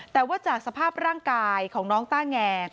แต่ว่าจากสภาพร่างกายของน้องต้าแง